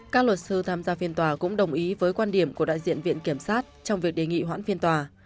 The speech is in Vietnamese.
các luật sư tham gia phiên tòa cũng đồng ý với quan điểm của đại diện viện kiểm sát trong việc đề nghị hoãn phiên tòa